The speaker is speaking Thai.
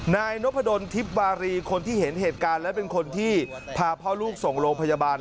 นายนพดลทิพย์วารีคนที่เห็นเหตุการณ์และเป็นคนที่พาพ่อลูกส่งโรงพยาบาล